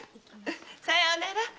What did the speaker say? さよなら！